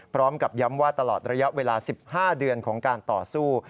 พร้อมกับย้ำว่าตลอดระยะเวลา๑๕เดือนของการต่อสู้